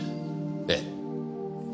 ええ。